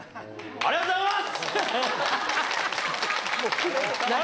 ありがとうございます！